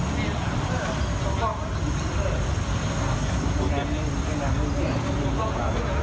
สิทธิ์คร้าว